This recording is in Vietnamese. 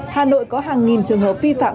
hà nội có hàng nghìn trường hợp vi phạm